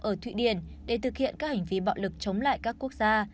ở thụy điển để thực hiện các hành vi bạo lực chống lại các quốc gia